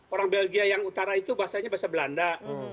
orang belgia yang utara itu bahasanya bahasa belanda